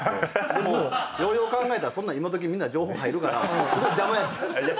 でもようよう考えたらそんなん今どきみんな情報入るからすごい邪魔やった。